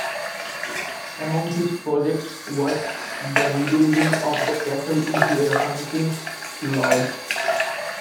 Among his projects was the rebuilding of the castle into a hunting lodge.